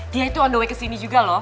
dia itu on the way kesini juga loh